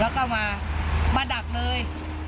แล้วก็มามาดักเลย